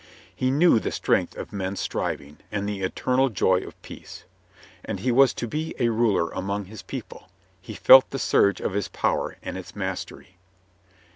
... He knew the strength of man's striving, and the eternal joy of peace. And he was to be a ruler among his people; he felt the surge of his power and its mastery.